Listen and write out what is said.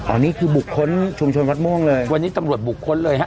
อันนี้คือบุคคลชุมชนวัดม่วงเลยวันนี้ตำรวจบุคคลเลยฮะ